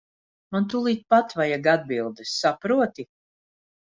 Man tūlīt pat vajag atbildes, saproti.